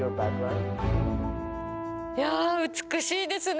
いや美しいですね！